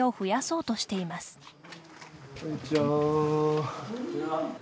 こんにちは。